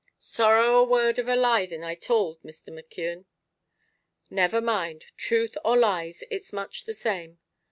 "Sorrow a word of a lie thin I towld, Mr. McKeon." "Never mind; truth or lies it's much the same."